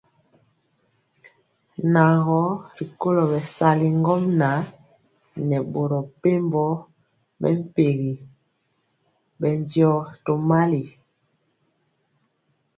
Nan gɔ rikolo bɛsali ŋgomnaŋ nɛ boro mepempɔ mɛmpegi bɛndiɔ tomali.